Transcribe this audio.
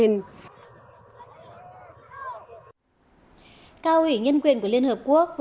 cao ủy nhân quyền của liên hợp quốc vukotok